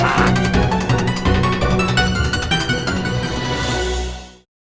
bagaimana sih pak